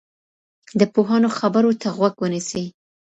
د پوهانو خبرو ته غوږ ونیسئ.